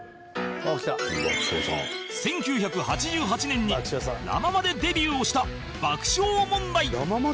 １９８８年にラ・ママでデビューをした爆笑問題